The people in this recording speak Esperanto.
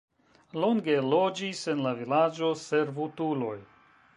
Longe loĝis en la vilaĝo servutuloj.